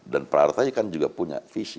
dan pra prataya kan juga punya visi